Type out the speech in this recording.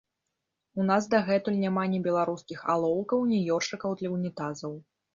У нас дагэтуль няма ні беларускіх алоўкаў, ні ёршыкаў для ўнітазаў.